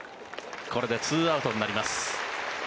これで２アウトになります。